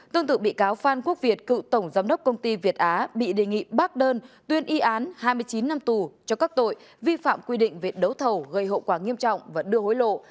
tương tự bị cáo phan quốc việt cựu tổng giám đốc công ty việt á bị đề nghị bác đơn tuyên y án hai mươi chín năm tù cho các tội vi phạm quy định về đấu thầu gây hậu quả nghiêm trọng và đưa hối lộ